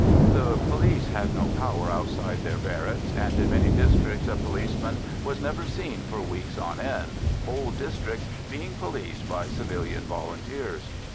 The police had no power outside their barracks, and in many districts a policeman was never seen for weeks on end, whole districts being policed by civilian Volunteers.